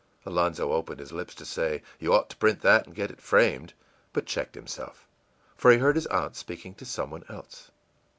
î Alonzo opened his lips to say, ìYou ought to print that, and get it framed,î but checked himself, for he heard his aunt speaking to some one else.